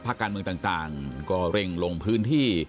การเมืองต่างก็เร่งลงพื้นที่